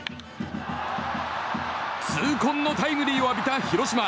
痛恨のタイムリーを浴びた広島。